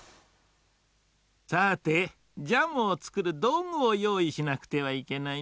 さぁてジャムをつくるどうぐをよういしなくてはいけないな。